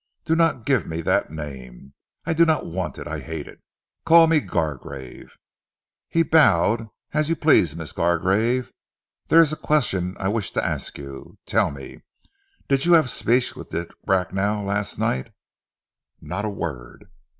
"Do not give me that name. I do not want it. I hate it. Call me Gargrave." He bowed. "As you please, Miss Gargrave. There is a question I wish to ask you. Tell me, did you have speech with Dick Bracknell last night?" "Not a word."